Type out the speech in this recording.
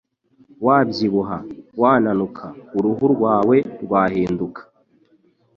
wabyibuha wananuka uruhu rwawe rwahinduka,